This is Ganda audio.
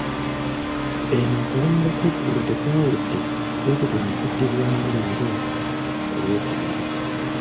Eno okulonda kw’eggulo tekwawedde bwe kutyo ne kuddibwamu leero ku Lwokubiri.